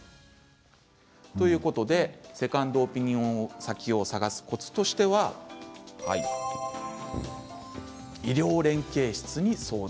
セカンドオピニオン先を探すコツとしては医療連携室に相談。